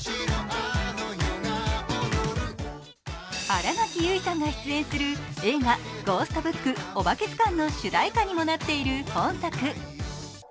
新垣結衣さんが出演する映画「ゴーストブックおばけずかん」の主題歌にもなっている本作。